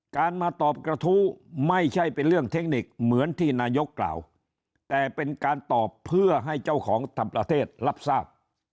การมาตอบกระทู้ไม่ใช่เป็นเรื่องเทคนิคเหมือนที่นายกกล่าวแต่เป็นการตอบเพื่อให้เจ้าของทำประเทศรับทราบ